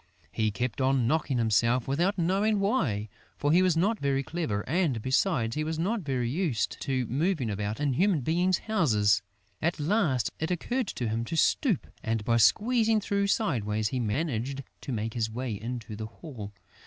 He kept on knocking himself, without knowing why; for he was not very clever and, besides, he was not yet used to moving about in human beings' houses. At last, it occurred to him to stoop; and, by squeezing through sideways, he managed to make his way into the hall.